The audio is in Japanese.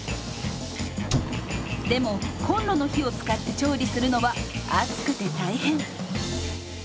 でもコンロの火を使って調理するのは暑くて大変。